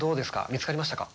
見つかりましたか？